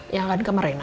yang akan ke kamar reyna